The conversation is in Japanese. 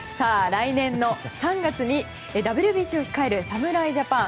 来年の３月にＷＢＣを控える侍ジャパン。